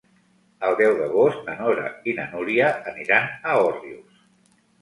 El deu d'agost na Nora i na Núria aniran a Òrrius.